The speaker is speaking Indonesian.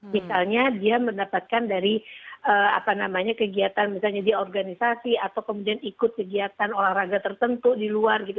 misalnya dia mendapatkan dari apa namanya kegiatan misalnya di organisasi atau kemudian ikut kegiatan olahraga tertentu di luar gitu